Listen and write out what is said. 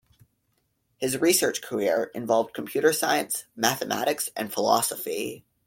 His research career involved computer science, mathematics, and philosophy.